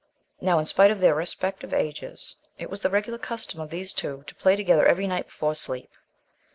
Now, in spite of their respective ages, it was the regular custom of these two to play together every night before sleep.